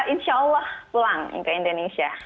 insya allah pulang ke indonesia